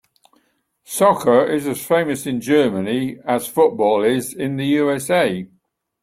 Soccer is as famous in Germany as football is in the USA.